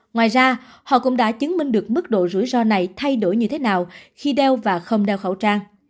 ngoài ra họ cũng đã chứng minh được mức độ rủi ro này thay đổi như thế nào khi đeo và không đeo khẩu trang